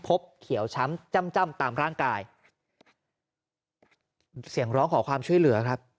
เขียวช้ำจ้ำจ้ำตามร่างกายเสียงร้องขอความช่วยเหลือครับ